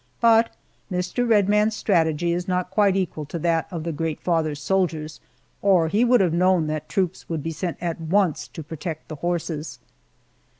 But Mr. Red Man's strategy is not quite equal to that of the Great Father's soldiers, or he would have known that troops would be sent at once to protect the horses.